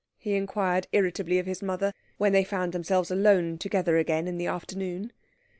he inquired irritably of his mother, when they found themselves alone together again in the afternoon.